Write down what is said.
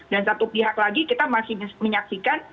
dan satu pihak lagi kita masih menyaksikan